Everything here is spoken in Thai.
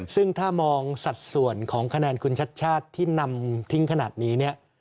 ซึ่งถ้ามองสัดส่วนของคะแนนคุณชัดชาติที่นำทิ้งขนาดนี้เนี่ย